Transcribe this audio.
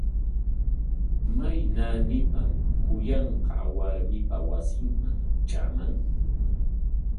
¿May naanipam kuyanqaa warmipa wasinman traaman?